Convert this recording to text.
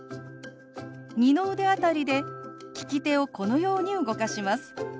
二の腕辺りで利き手をこのように動かします。